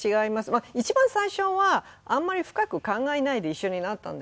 まあ一番最初はあんまり深く考えないで一緒になったんですけれども。